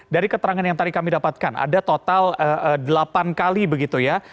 dari keterangan yang tadi kami dapatkan ada total delapan kali begitu ya